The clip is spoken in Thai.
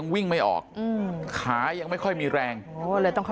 พยุงกันอย่างนี้เนอะ